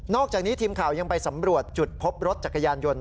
อกจากนี้ทีมข่าวยังไปสำรวจจุดพบรถจักรยานยนต์